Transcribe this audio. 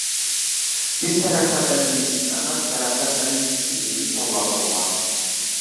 بىز تەرەققىيات ئەندىزىسىنى ئەمەس تەرەققىيات ئەندىزىسى بىزنى تاللاپ بولغان.